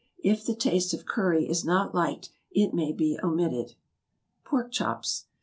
If the taste of curry is not liked it may be omitted. =Pork Chops.